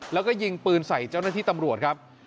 แล้วก็ยิงปืนใส่เจ้าหน้าที่ตำรวจครับ